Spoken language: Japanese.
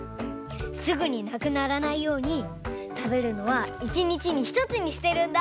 すぐになくならないようにたべるのは１にちに１つにしてるんだ！